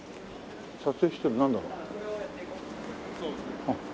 撮影してるなんだろう？